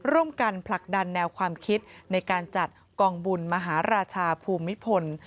ผลักดันแนวความคิดในการจัดกองบุญมหาราชาภูมิพล